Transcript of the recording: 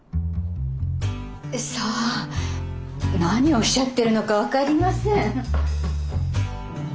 さあ何をおっしゃってるのか分かりません。